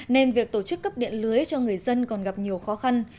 nên việc tổ chức cấp điện lưới cho người dân còn gặp nhiều khó khăn